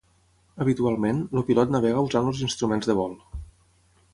Habitualment, el pilot navega usant els instruments de vol.